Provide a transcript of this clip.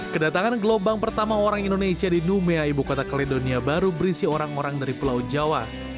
kedatangan gelombang pertama orang indonesia di numea ibu kota kaledonia baru berisi orang orang dari pulau jawa